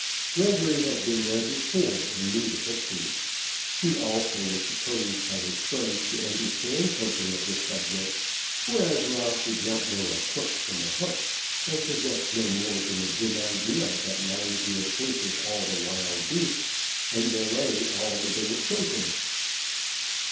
Gregory had been there before, and knew the pictures. He also was supposed by his friends to understand something of the subject; whereas Ralph did not know a Cooke from a Hook, and possessed no more than a dim idea that Landseer painted all the wild beasts, and Millais all the little children.